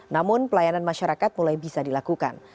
namun pelayanan masyarakat mulai bisa dilakukan